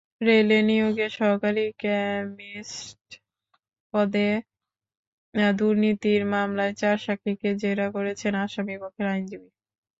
রেলে নিয়োগে সহকারী কেমিস্ট পদে দুর্নীতির মামলায় চার সাক্ষীকে জেরা করেছেন আসামিপক্ষের আইনজীবী।